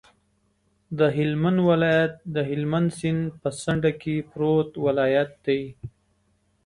هلمند ولایت د هلمند سیند په څنډه کې پروت ولایت دی.